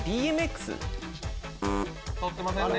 取ってませんね。